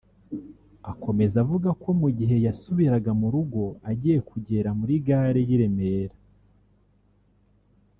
Akomeza avuga ko mu gihe yasubiraga mu rugo agiye kugera muri Gare y’i Remera